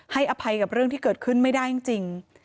อภัยกับเรื่องที่เกิดขึ้นไม่ได้จริง